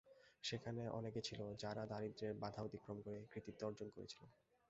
সেখানে অনেকে ছিল, যারা দারিদ্র্যের বাধা অতিক্রম করে কৃতিত্ব অর্জন করেছিল।